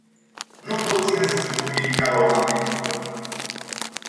Nu toți însă se pot ridica la un anumit nivel.